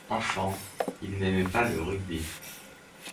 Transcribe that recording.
Enfant, il n'aimait pas le rugby.